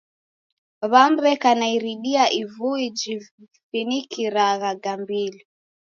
W'amu w'eka na iridia ivui jifinikiragha gambili.